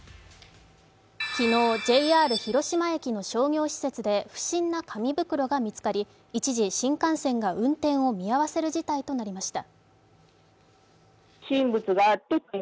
昨日、ＪＲ広島駅の商業施設で不審な紙袋が見つかり一時新幹線が運転を見合わせる事態となりました。